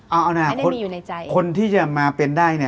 เอาอนาคตคนที่จะมาเป็นได้